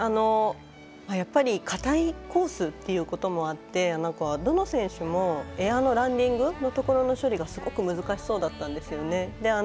硬いコースっていうこともあってどの選手もエアのランディングのところの処理がすごく難しそうだったんですよね。